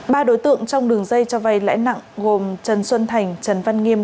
ba đối tượng trong đường dây cho vay lãi nặng gồm trần xuân thành trần văn nghiêm